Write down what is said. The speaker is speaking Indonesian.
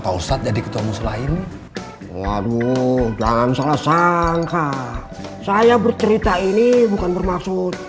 pak ustadz jadi ketemu selain waduh jangan salah sangka saya bercerita ini bukan bermaksud